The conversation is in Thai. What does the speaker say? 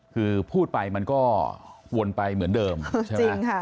คือพูดไปมันก็วนไปเหมือนเดิมจริงค่ะ